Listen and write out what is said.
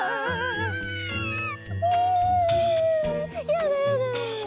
やだやだ。